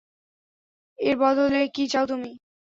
এর বদলে কী চাও তুমি?